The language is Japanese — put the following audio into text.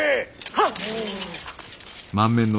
はっ！